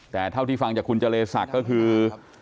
แต่เท่าที่ฟังจากคุณเจรศักดิ์ก็คือ